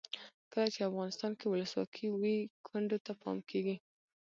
کله چې افغانستان کې ولسواکي وي کونډو ته پام کیږي.